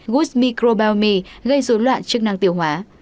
gus microbiome gây dối loạn chức năng tiêu hóa